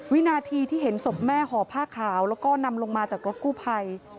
วินาทีที่เห็นศพแม่ห่อผ้าขาวแล้วก็นำลงมาจากรถกู้ภัย